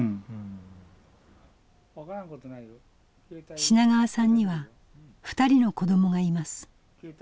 品川さんには２人の子どもがいます。